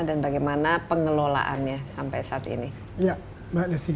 dan bagaimana pengelolaannya sampai saat ini